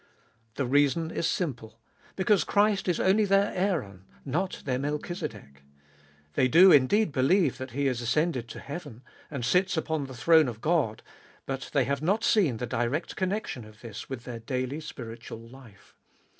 The reason is simple, because Christ is only their Aaron, not their Melchizedek. They do indeed believe that He is ascended to heaven, and sits upon the throne of God ; but they have not seen the direct connection of this with their daily spiritual life.